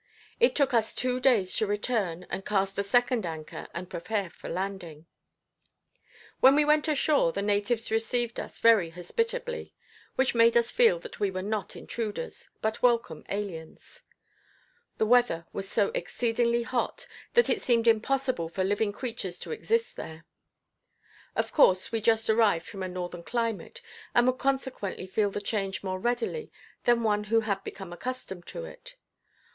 It took us two days to return and cast a second anchor and prepare for landing. When we went ashore the natives received us very hospitably, which made us feel that we were not intruders, but welcome aliens. The weather was so exceedingly hot that it seemed impossible for living creatures to exist there. Of course we just arrived from a northern climate, and would consequently feel the change more readily than one who had become accustomed to it.